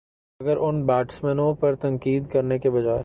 مگر ان بیٹسمینوں پر تنقید کرنے کے بجائے